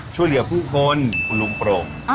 ช่วยเหลือผู้คนคุณลุงโปร่ง